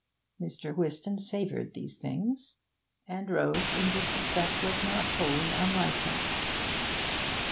Mr. Whiston savoured these things, and Rose in this respect was not wholly unlike him.